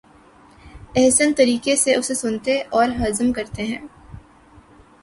احسن طریقے سے اسے سنتے اور ہضم کرتے ہیں۔